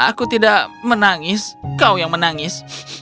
aku tidak menangis kau yang menangis